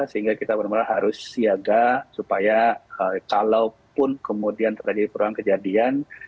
sehingga kita benar benar harus siaga supaya kalaupun kemudian terjadi perulang kejadian